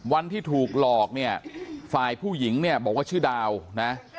วันที่ถูกหลอกเนี่ยฝ่ายผู้หญิงเนี่ยบอกว่าชื่อดาวนะ